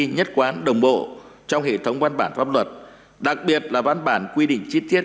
nhất quán đồng bộ trong hệ thống văn bản pháp luật đặc biệt là văn bản quy định chi tiết